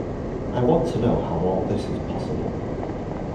I want to know how all this is possible.